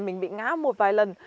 mình bị ngã một vài lần